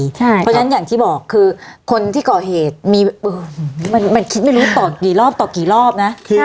เพราะฉะนั้นอย่างที่บอกคือคนที่ก่อเหตุมีมันคิดไม่รู้ต่อกี่รอบต่อกี่รอบนะ